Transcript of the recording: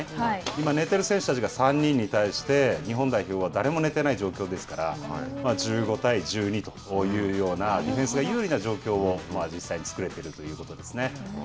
今、寝ている選手たちが３人に対して、日本代表は誰も寝ていない状況ですから、１５対１２というような、ディフェンスが有利な状況を実際に作れているということですね。